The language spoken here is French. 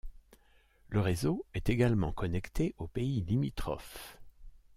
Le réseau est également connecté aux pays limitrophes.